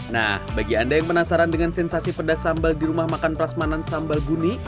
nah bagi anda yang penasaran dengan sensasi pedas sambal di rumah makan prasmanan sambal guni